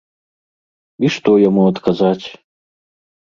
І што яму адказаць?